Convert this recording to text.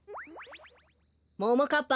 ももかっぱ